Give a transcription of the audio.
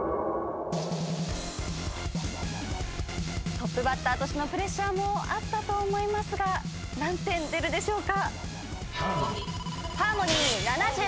トップバッターとしてのプレッシャーもあったと思いますが何点出るでしょうか？